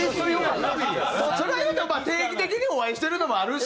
それは言うてもまあ定期的にお会いしてるのもあるし。